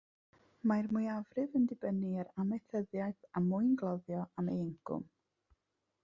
Mae'r mwyafrif yn dibynnu ar amaethyddiaeth a mwyngloddio am eu hincwm.